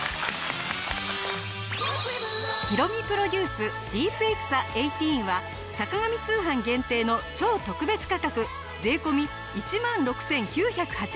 ヒロミプロデュースディープエクサ１８は『坂上通販』限定の超特別価格税込１万６９８０円。